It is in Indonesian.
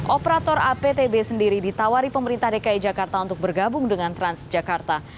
operator aptb sendiri ditawari pemerintah dki jakarta untuk bergabung dengan transjakarta